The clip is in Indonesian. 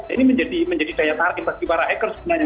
ini menjadi daya tarik bagi para hacker sebenarnya